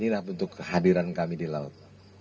inilah untuk kehadiran kami di laut